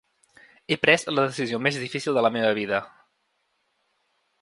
He pres la decisió més difícil de la meva vida.